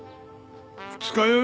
二日酔い？